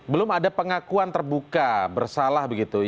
belum ada pengakuan terbuka bersalah begitu